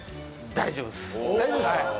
大丈夫ですか？